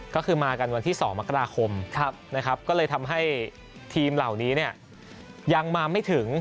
ก็คือมากันวันที่๒มกราคมนะครับก็เลยทำให้ทีมเหล่านี้ยังมาไม่ถึง